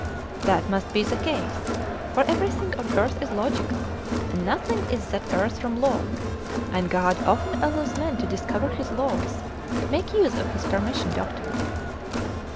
"That must be the case, for everything on earth is logical, and 'nothing is that errs from law,' and God often allows men to discover His laws; make use of His permission, doctor."